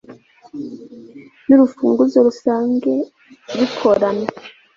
n urufunguzo rusange bikorana